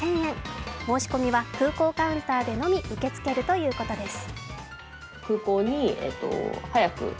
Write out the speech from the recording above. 申し込みは空港カウンターでのみ受け付けるということです。